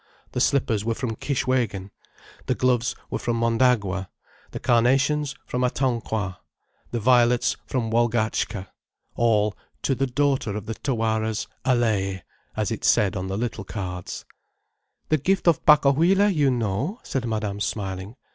The slippers were from Kishwégin, the gloves from Mondagua, the carnations from Atonquois, the violets from Walgatchka—all To the Daughter of the Tawaras, Allaye, as it said on the little cards. "The gift of Pacohuila you know," said Madame, smiling.